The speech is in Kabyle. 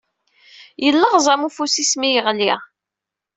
Yelleɣẓam ufus-is mi yeɣli.